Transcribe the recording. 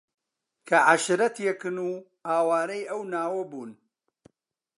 کە عەشیرەتێکن و ئاوارەی ئەو ناوە بوون